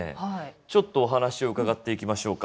ちょっとお話を伺っていきましょうか。